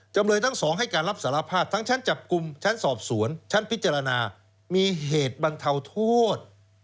จำเลยทั้งสองให้การรับสารภาพทั้งชั้นจับกลุ่มชั้นสอบสวนชั้นพิจารณามีเหตุบรรเทาโทษ